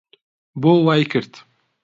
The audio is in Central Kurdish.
بۆ وای کرد؟